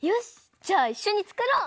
じゃあいっしょにつくろう！